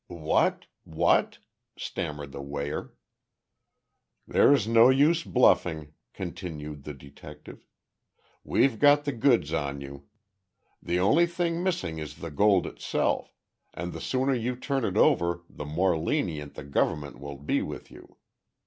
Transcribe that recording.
"What what " stammered the weigher. "There's no use bluffing," continued the detective. "We've got the goods on you. The only thing missing is the gold itself, and the sooner you turn it over the more lenient the government will be with you.